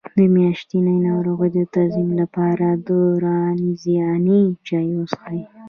د میاشتنۍ ناروغۍ د تنظیم لپاره د رازیانې چای وڅښئ